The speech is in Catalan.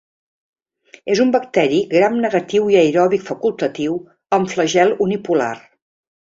És un bacteri gram negatiu i aeròbic facultatiu amb flagel unipolar.